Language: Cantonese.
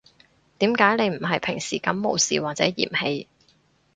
點解你唔係平時噉無視或者嫌棄